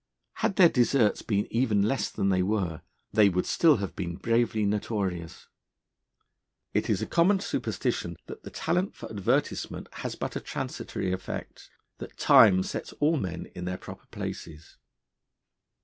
Had their deserts been even less than they were, they would still have been bravely notorious. It is a common superstition that the talent for advertisement has but a transitory effect, that time sets all men in their proper places.